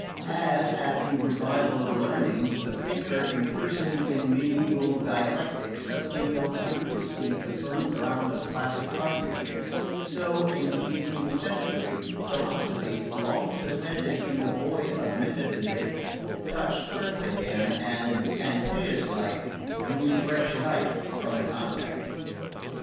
As, at the Revival of Learning, the thinker imprisoned in mediaeval dialectics suddenly felt under his feet the firm ground of classic argument, so, in the eighteenth century, philosophy, long suspended in the void of metaphysic, touched earth again and, Antaeus like, drew fresh life from the contact.